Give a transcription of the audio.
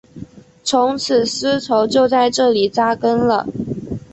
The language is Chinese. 从此丝绸就在这里扎根了。